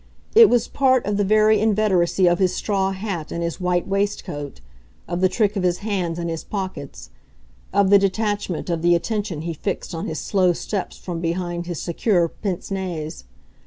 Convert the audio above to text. It was part of the very inveteracy of his straw hat and his white waistcoat, of the trick of his hands in his pockets, of the detachment of the attention he fixed on his slow steps from behind his secure pince nez.